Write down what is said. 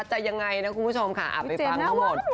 จะยังไงนะคุณผู้ชมค่ะอาบไปฟังเมื่อหมด